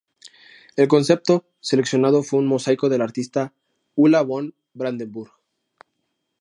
El concepto seleccionado fue un mosaico de la artista Ulla von Brandenburg.